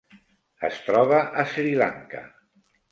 Es troba a Sri Lanka.